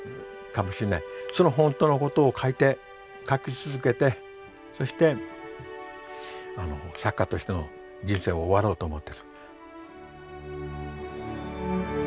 その本当のことを書いて書き続けてそして作家としての人生を終わろうと思ってる。